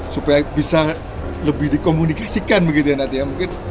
supaya bisa lebih dikomunikasikan begitu ya nanti ya mungkin